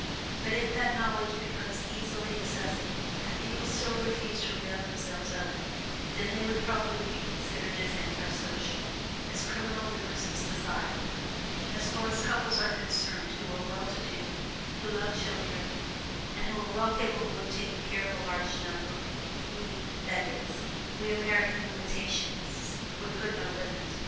But if that knowledge became easily accessible, and people still refused to avail themselves of it, then they would properly be considered as anti social, as criminal members of society. As far as couples are concerned who are well to do, who love children, and who are well capable of taking care of a large number, we, that is, we American limitationists, would put no limit.